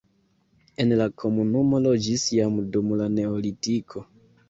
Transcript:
En la komunumo loĝis jam dum la neolitiko.